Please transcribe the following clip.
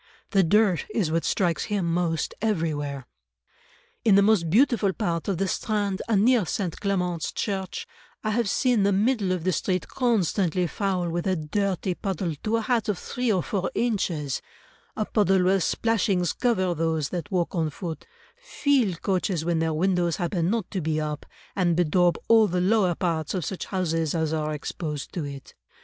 The dirt is what strikes him most everywhere: "In the most beautiful part of the Strand and near St. Clement's Church, I have seen the middle of the street constantly foul with a dirty puddle to a height of three or four inches; a puddle where splashings cover those that walk on foot, fill coaches when their windows happen not to be up, and bedaub all the lower parts of such houses as are exposed to it.